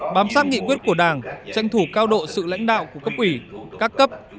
bám sát nghị quyết của đảng tranh thủ cao độ sự lãnh đạo của các quỷ các cấp